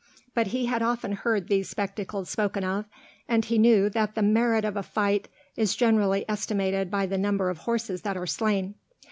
But he had often heard these spectacles spoken of, and he knew that the merit of a fight is generally estimated by the number of horses that are slain.